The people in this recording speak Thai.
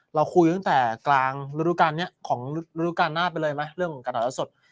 เราคุยตั้งแต่กลางรูปการณ์นี้ของรูปการณ์หน้าไปเลยไหมเรื่องกระดาษสด